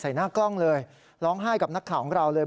หน้ากล้องเลยร้องไห้กับนักข่าวของเราเลย